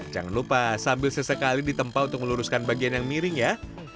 jangan lupa sambil sesekali ditempa untuk meluruskan bagian yang miring ya